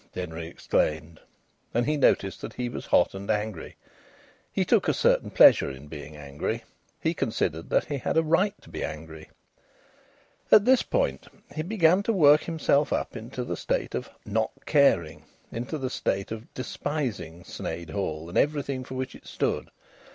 Denry exclaimed, and he noticed that he was hot and angry. He took a certain pleasure in being angry. He considered that he had a right to be angry. At this point he began to work himself up into the state of "not caring," into the state of despising Sneyd Hall, and everything for which it stood.